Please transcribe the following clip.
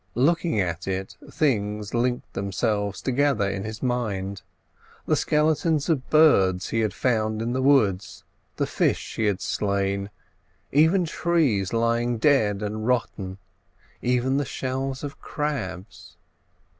Looking at it, things linked themselves together in his mind: the skeletons of birds he had found in the woods, the fish he had slain, even trees lying dead and rotten—even the shells of crabs.